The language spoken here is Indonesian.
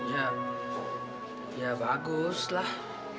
ya ya baguslah